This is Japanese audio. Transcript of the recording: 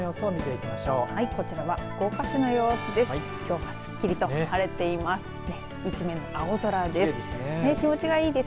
きょうはすっきりと晴れています。